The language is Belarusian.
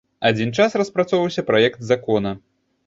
Адзін час распрацоўваўся праект закона.